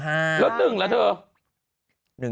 ๑หรือเธอ